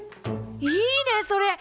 いいねそれ！